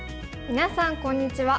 みなさんこんにちは。